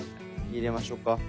入れましょうか。